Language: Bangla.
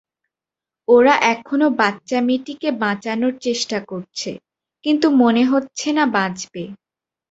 ওরা এখনও বাচ্চা মেয়েটিকে বাঁচানোর চেষ্টা করছে, কিন্তু মনে হচ্ছে না বাঁচবে।